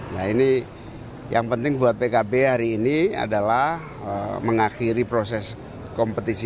nah ini yang penting buat pkb hari ini adalah mengakhiri proses kompetisi